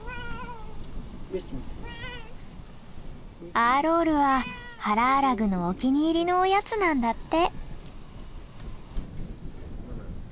アーロールはハラアラグのお気に入りのおやつなんだって。